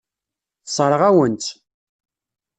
Tessṛeɣ-awen-tt.